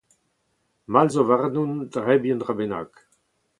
Mall zo warnon debriñ un dra bennak.